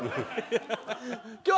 今日